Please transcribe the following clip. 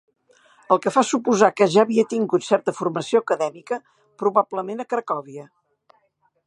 El que fa suposar que ja havia tingut certa formació acadèmica, probablement a Cracòvia.